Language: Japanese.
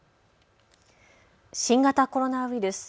新型コロナウイルス。